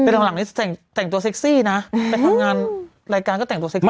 คือหลังนี้แต่งตัวเซ็กซี่นะไปทำงานรายการก็แต่งตัวเซ็กซี่